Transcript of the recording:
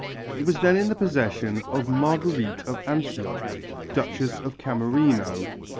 It was then in the possession of Marguerite of Antioch, Duchess of Camerino.